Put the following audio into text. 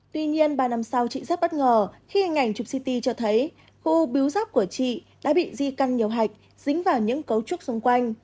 tuy nhiên ba năm sau chị rất bất ngờ khi hình ảnh chụp ct cho thấy khu biêu rắc của chị đã bị di căn nhiều hạch dính vào những cấu trúc xung quanh